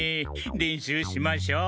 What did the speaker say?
練習しましょう。